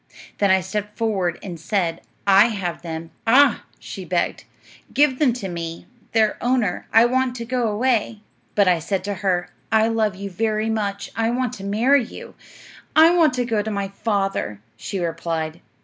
Then I stepped forward and said, "I have them." "Ah," she begged, "give them to me, their owner; I want to go away." But I said to her, "I love you very much. I want to marry you." "I want to go to my father," she replied.